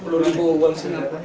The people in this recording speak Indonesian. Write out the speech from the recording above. lebih sepuluh uang setelah